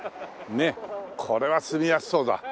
ねっこれは住みやすそうだ。